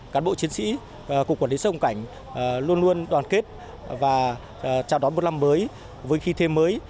chào đón một năm mới vui khí thêm mới